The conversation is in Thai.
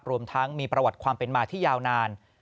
รวมทั้งมีประวัติความเป็นมาที่ยาวนาน